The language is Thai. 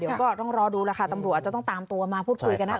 เดี๋ยวก็ต้องรอดูแล้วค่ะตำรวจอาจจะต้องตามตัวมาพูดคุยกันนะ